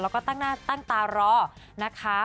แล้วก็ตั้งตารอนะคะ